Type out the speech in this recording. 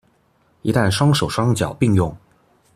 一旦雙手雙腳併用